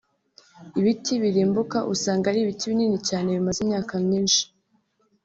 Ibiti birimbuka usanga ari ibiti binini cyane bimaze imyaka myinshi